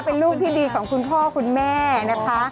เป็นลูกที่ดีของคุณพ่อคุณแม่นะคะ